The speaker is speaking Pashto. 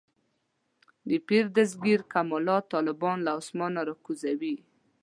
د پیر دستګیر کمالات طالبان له اسمانه راکوزوي.